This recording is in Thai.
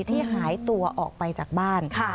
ที่หายตัวออกไปจากบ้าน